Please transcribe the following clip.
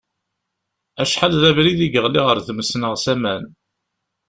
Acḥal d abrid i yeɣli ɣer tmes neɣ s aman.